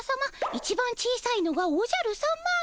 いちばん小さいのがおじゃるさま。